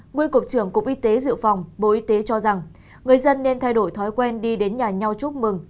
nguyên cục trưởng cục y tế dự phòng bộ y tế cho rằng người dân nên thay đổi thói quen đi đến nhà nhau chúc mừng